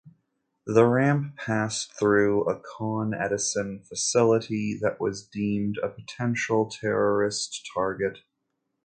The ramp passed through a ConEdison facility that was deemed a potential terrorist target.